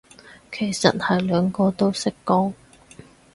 其實係兩個都識講